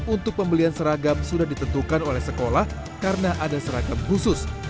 untuk pembelian seragam sudah ditentukan oleh sekolah karena ada seragam khusus